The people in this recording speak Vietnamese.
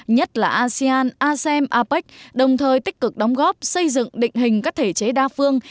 nhất là asean asem apec đồng thời tích cực đóng góp xây dựng định hình các thể chế đa phương